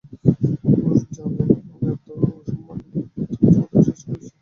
প্রভু জানেন, আমি আত্মসমর্থনের কিছুমাত্র চেষ্টা করিনি।